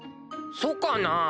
そうかな？